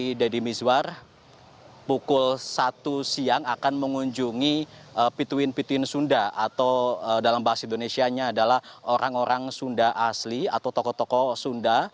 jadi deddy mizwar pukul satu siang akan mengunjungi pituin pituin sunda atau dalam bahasa indonesia adalah orang orang sunda asli atau tokoh tokoh sunda